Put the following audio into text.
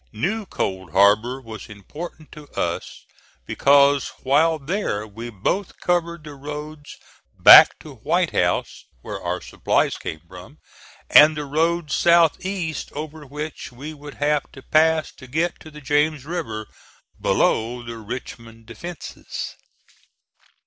New Cold Harbor was important to us because while there we both covered the roads back to White House (where our supplies came from), and the roads south east over which we would have to pass to get to the James River below the Richmond defences.